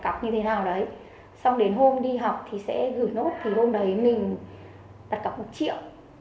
cắc như thế nào đấy xong đến hôm đi học thì sẽ gửi nốt thì hôm đấy mình đặt cặp một triệu